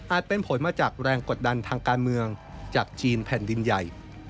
เป็นผลมาจากแรงกดดันทางการเมืองจากจีนแผ่นดินใหญ่